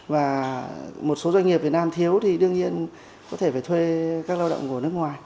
và một số doanh nghiệp việt nam thiếu thì đương nhiên có thể phải thuê các lao động của nước ngoài